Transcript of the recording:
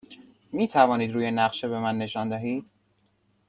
می توانید روی نقشه به من نشان دهید؟